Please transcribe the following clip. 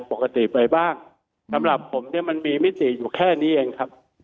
ปกติไปบ้างสำหรับผมเนี่ยมันมีมิติอยู่แค่นี้เองครับ